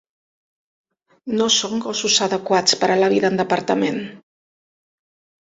No són gossos adequats per a la vida en departament.